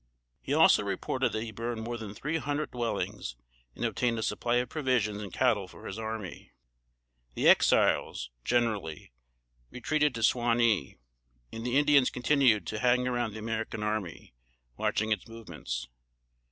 He also reported that he burned more than three hundred dwellings, and obtained a supply of provisions and cattle for his army. The Exiles, generally, retreated to Suwanee, and the Indians continued to hang around the American army, watching its movements.